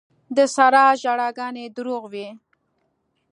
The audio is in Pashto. د سارا ژړاګانې دروغ وې.